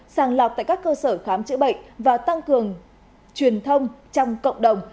sàng lọc tại các cơ sở khám chữa bệnh và tăng cường truyền thông trong cộng đồng